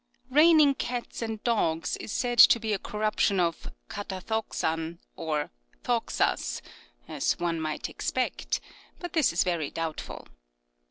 " Raining cats and dogs " is said to be a cor ruption of Kara So^av or So'Say (" as one might expect "); but this is very doubtful.